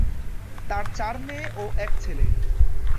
তার চার মেয়ে ও এক ছেলে।